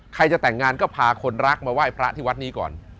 ใครจะแต่งงานก็พาคนรักมาไหว้พระที่วัดนี้ก่อน